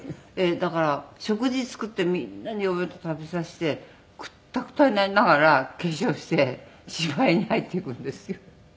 だから食事作ってみんなにお弁当食べさせてクッタクタになりながら化粧して芝居に入っていくんですよ。